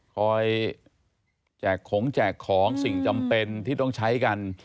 แจกของแจกของสิ่งจำเป็นที่ต้องใช้กัน